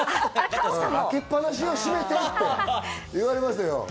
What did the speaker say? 開けっぱなしよ、閉めてって言われますよ。